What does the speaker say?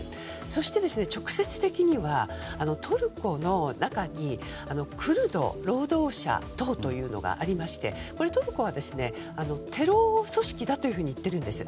そして、直接的にはトルコの中にクルド労働者党というのがありましてこれをトルコはテロ組織だと言っているんです。